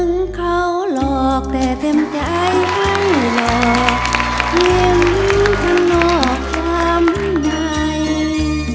ทึ่งเข้าหลอกแต่เต็มใจหล่อลิ้นข้างนอกคำไหน